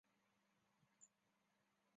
小时候曾就读于香港育才书社。